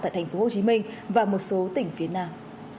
tại tp hcm và một số tỉnh phía nam